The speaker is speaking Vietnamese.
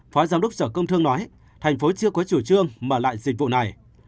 phó giám đốc sở công thương nói tp hcm chưa có chủ trương mở lại dịch vụ này